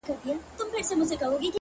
هره ورځ د بدلون تخم لري